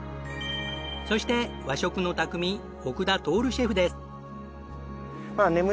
そして和食の匠奥田透シェフです。